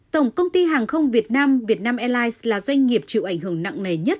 tổng công ty hàng không việt nam việt nam airlines là doanh nghiệp chịu ảnh hưởng nặng nề nhất